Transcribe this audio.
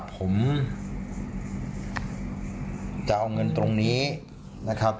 ผมจะเอาเงินตรงนี้นะครับ